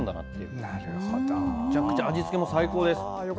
めちゃくちゃ、味付けも最高です。